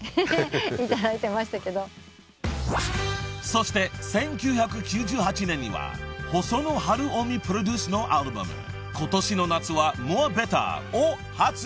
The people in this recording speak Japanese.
［そして１９９８年には細野晴臣プロデュースのアルバム『今年の夏はモア・ベター』を発売］